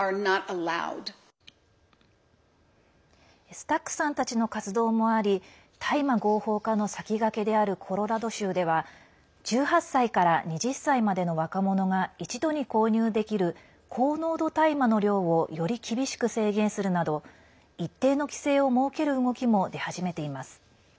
スタックさんたちの活動もあり大麻合法化の先駆けであるコロラド州では１８歳から２０歳までの若者が１度に購入できる高濃度大麻の量を、より厳しく制限するなど一定の規制を設ける動きも出始めています。